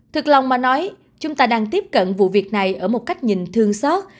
thực lòng mà nói chúng ta đang tiếp cận vụ việc này ở một cách nhìn thương xót